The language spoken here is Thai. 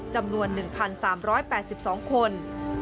จำนวน๑๓๘๒คน